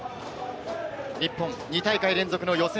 日本、２大会連続の予選